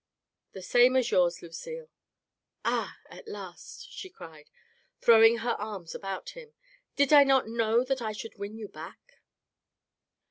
" The same as yours, Lucille. "Ah, at last!" she cried, throwing her arms about him. " Did I not know that I should win you back